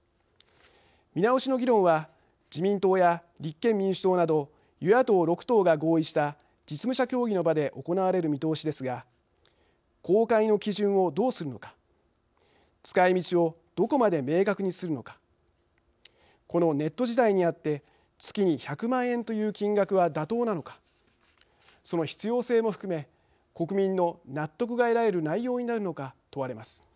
見直しの議論は自民党や立憲民主党など与野党６党が合意した実務者協議の場で行われる見通しですが公開の基準をどうするのか使いみちをどこまで明確にするのかこのネット時代にあって月に１００万円という金額は妥当なのかその必要性も含め国民の納得が得られる内容になるのか問われます。